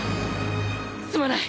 すまない。